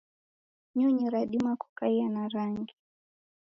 nyonyi radima kukaia na rangi